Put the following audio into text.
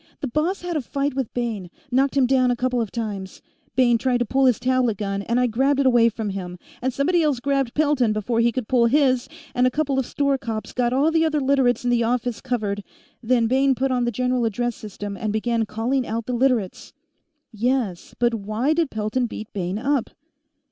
"The boss had a fight with Bayne; knocked him down a couple of times. Bayne tried to pull his tablet gun, and I grabbed it away from him, and somebody else grabbed Pelton before he could pull his, and a couple of store cops got all the other Literates in the office covered. Then Bayne put on the general address system and began calling out the Literates " "Yes, but why did Pelton beat Bayne up?"